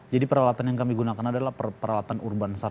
jadi peralatan yang kami gunakan adalah peralatan urban sar